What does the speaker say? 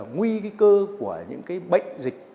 nguy cơ của những cái bệnh dịch